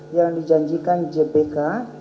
yang dijanjikan cbk